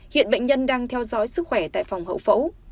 hiện bệnh nhân đang theo dõi sức khỏe tại phòng hậu phẫu